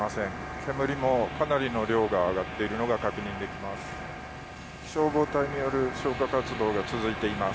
煙もかなりの量が上がっているのが確認できます。